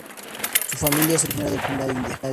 Su familia es originaria de Punjab, India.